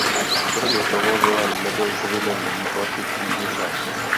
Kromě toho Vilém nebyl povinen jí platit výživné.